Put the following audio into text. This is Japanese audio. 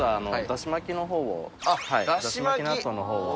だし巻き納豆のほうを。